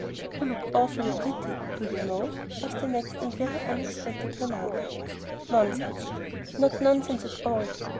"You look awfully pretty, do you know?" was the next and very unexpected remark. "Nonsense." "Not nonsense at all."